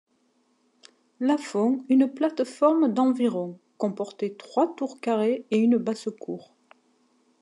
Laffont une plateforme d'environ comportait trois tours carrées et une basse-cour.